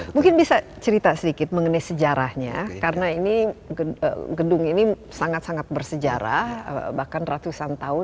mungkin bisa cerita sedikit mengenai sejarahnya karena ini gedung ini sangat sangat bersejarah bahkan ratusan tahun